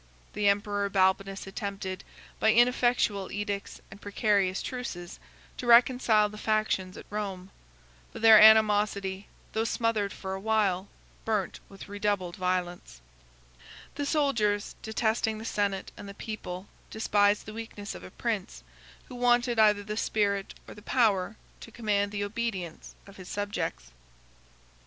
The emperor Balbinus attempted, by ineffectual edicts and precarious truces, to reconcile the factions at Rome. But their animosity, though smothered for a while, burnt with redoubled violence. The soldiers, detesting the senate and the people, despised the weakness of a prince, who wanted either the spirit or the power to command the obedience of his subjects.